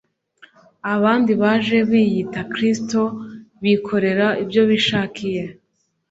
abandi baje biyita Kristo bikorera ibyo bishakiye,